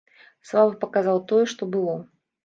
Слава паказаў тое, што было.